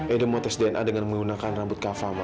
edo mau tes dna dengan menggunakan rambut kava ma